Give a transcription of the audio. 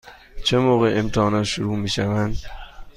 چه موقع امتحانات شروع می شوند؟